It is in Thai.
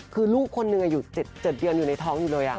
คือลูกคนหนึ่งอายุ๗เดือนอยู่ในท้องอยู่เลย